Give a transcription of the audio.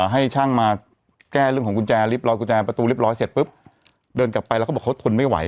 ให้ช่างมาแก้เรื่องของกุญแจริบรอยกุญแจประตูเรียบร้อยเสร็จปุ๊บเดินกลับไปแล้วก็บอกเขาทนไม่ไหว